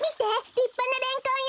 りっぱなレンコンよ！